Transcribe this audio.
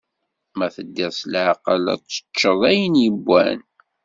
Ma teddiḍ s laɛqel, ad teččeḍ ayen yewwan.